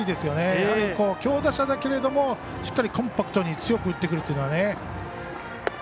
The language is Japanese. やはり強打者だけれどもしっかりコンパクトに強く打ってくるというのはね。